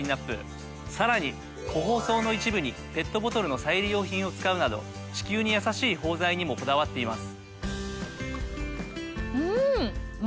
さらに個包装の一部にペットボトルの再利用品を使うなど地球にやさしい包材にもこだわっています。